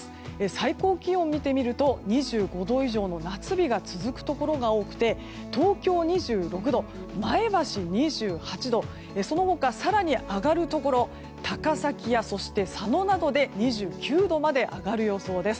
最高気温を見てみると２５度以上の夏日が続くところが多くて東京、２６度前橋、２８度その他、更に上がるところ高崎や、佐野などで２９度まで上がる予想です。